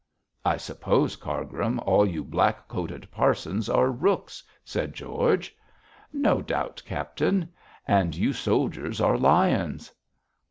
'I suppose, Cargrim, all you black coated parsons are rooks,' said George. 'No doubt, captain; and you soldiers are lions.'